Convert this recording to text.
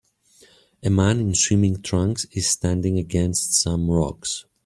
A man in swimming trunks is standing against some rocks.